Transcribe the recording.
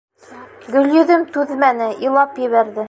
Гөлйөҙөм түҙмәне, илап ебәрҙе.